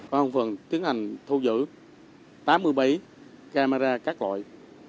công an phường tiến hành thu giữ tám mươi bảy camera các loại